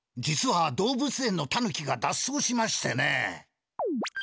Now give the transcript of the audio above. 実は動物園のタヌキがだっ走しましてね。